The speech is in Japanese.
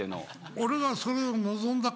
俺がそれを望んだか？